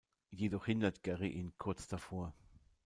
Jedoch hindert Gary ihn kurz davor.